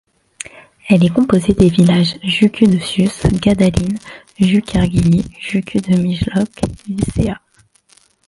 Elle est composée des villages Jucu de Sus, Gădălin, Juc-Herghelie, Jucu de Mijloc, Vișea.